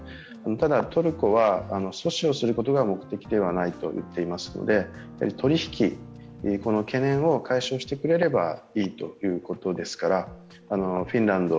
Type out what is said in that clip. ただトルコは、阻止をすることが目的ではないと言っていますので、取り引き、懸念を解消してくれればいいということですからフィンランド